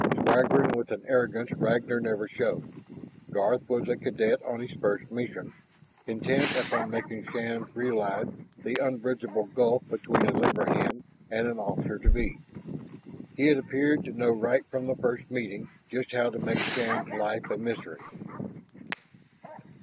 Swaggering with an arrogance Ragnar never showed, Garth was a cadet on his first mission, intent upon making Shann realize the unbridgeable gulf between a labor hand and an officer to be. He had appeared to know right from their first meeting just how to make Shann's life a misery.